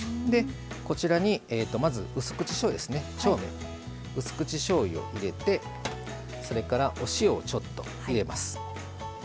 こちらにまずうす口しょうゆを入れてそれからお塩をちょっと入れます。